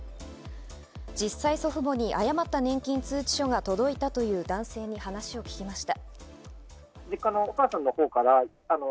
実際、祖父母に誤った年金通知書が届いたという男性に話を聞きました。